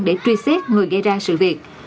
để truy xét người gây ra sự việc